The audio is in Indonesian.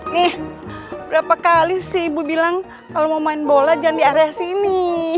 nih berapa kali sih ibu bilang kalau mau main bola jangan di area sini